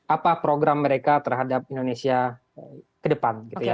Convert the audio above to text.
apa program mereka terhadap indonesia ke depan